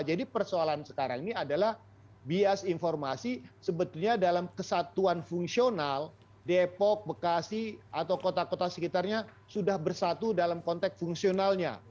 jadi persoalan sekarang ini adalah bias informasi sebetulnya dalam kesatuan fungsional depok bekasi atau kota kota sekitarnya sudah bersatu dalam konteks fungsionalnya